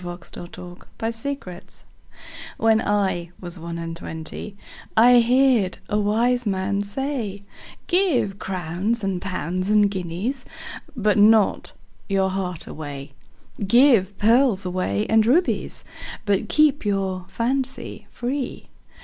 When I was one and twenty WHEN I was one and twentyI heard a wise man say,'Give crowns and pounds and guineasBut not your heart away; Give pearls away and rubiesBut keep your fancy free.